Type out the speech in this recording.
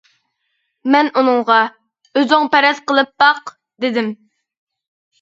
مەن ئۇنىڭغا: «ئۆزۈڭ پەرەز قىلىپ باق» دېدىم.